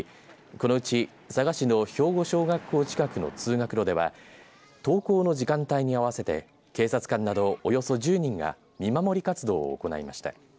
このうち佐賀市の兵庫小学校近くの通学路では登校の時間帯に合わせて警察官などおよそ１０人が見守り活動を行いました。